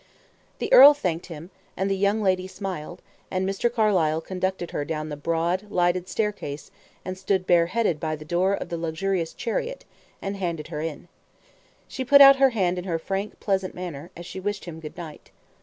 The earl thanked him, and the young lady smiled, and Mr. Carlyle conducted her down the broad, lighted staircase and stood bareheaded by the door of the luxurious chariot, and handed her in. She put out her hand in her frank, pleasant manner, as she wished him good night.